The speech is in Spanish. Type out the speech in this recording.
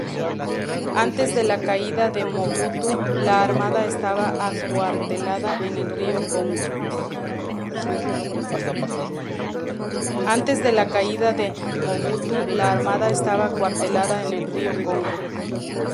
Antes de la caída de Mobutu, la armada estaba acuartelada en el Río Congo.